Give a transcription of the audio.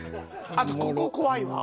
あとここ怖いわ。